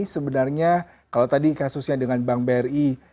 sebenarnya kalau tadi kasusnya dengan bank bri